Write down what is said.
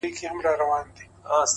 د زړه له درده درته وايمه دا;